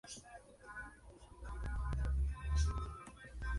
Sobre la placa, sobrepuesta, se encuentra situado el anverso de la medalla.